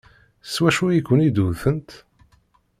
S wacu i ken-id-wtent?